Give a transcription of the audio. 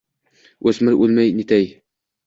o‘smir o‘ylamay-netmay